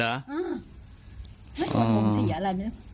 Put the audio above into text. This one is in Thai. อารมณ์เสียอะไรเนี่ย